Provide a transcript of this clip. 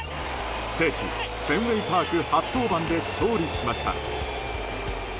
聖地フェンウェイパーク初登板で勝利しました。